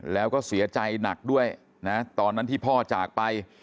แล้วก็เสียใจหนักด้วยนะตอนนั้นที่พ่อจากไป